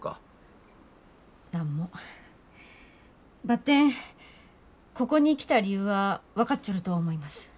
ばってんここに来た理由は分かっちょると思います。